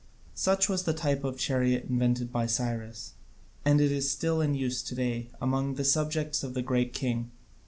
Such was the type of chariot invented by Cyrus, and it is still in use to day among the subjects of the Great King.